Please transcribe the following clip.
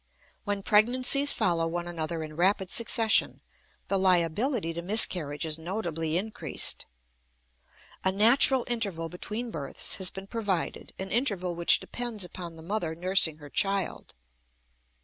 When pregnancies follow one another in rapid succession, the liability to miscarriage is notably increased. A natural interval between births has been provided, an interval which depends upon the mother nursing her child.